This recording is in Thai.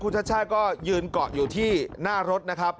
ชาติก็ยืนเกาะอยู่ที่หน้ารถนะครับ